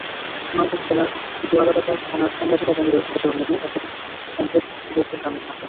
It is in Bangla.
সুনামগঞ্জ জেলার দোয়ারাবাজার থানার টেংরাটিলা গ্রামে রয়েছে দেশের অন্যতম প্রাকৃতিক সম্পদ গ্যাসের ভান্ডার।